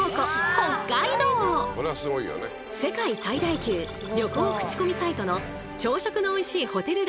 世界最大級旅行口コミサイトの「朝食のおいしいホテル」